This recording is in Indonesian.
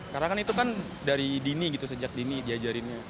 karena kan itu kan dari dini gitu sejak dini diajarinnya